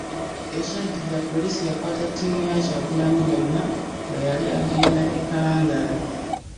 Ekyaddirira poliisi yakwata ttiimu ya Kyagulanyi yonna bwe yali agenda e Kalangala